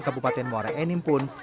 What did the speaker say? kabupaten muara inim pun